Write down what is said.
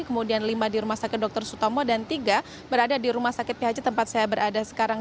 kemudian lima di rumah sakit dr sutomo dan tiga berada di rumah sakit phc tempat saya berada sekarang